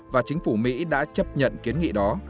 và chính phủ mỹ đã chấp nhận kiến nghị đó